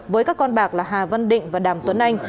với các con bạc là hà văn định và đàm tuấn anh